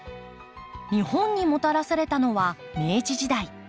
日本にもたらされたのは明治時代。